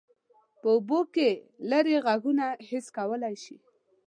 په اوبو کې لیرې غږونه حس کولی شي.